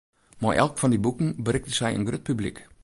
Mei elk fan dy boeken berikte sy in grut publyk.